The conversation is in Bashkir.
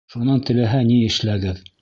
Шунан теләһә ни эшләгеҙ.